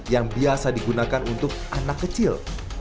yang biasa digunakan untuk anak kecil